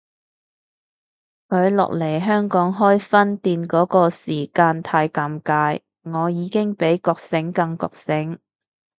佢落嚟香港開分店嗰個時間太尷尬，我已經比覺醒更覺醒